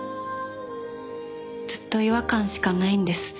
ずっと違和感しかないんです。